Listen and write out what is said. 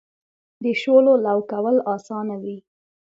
د شولو لو کول اسانه وي.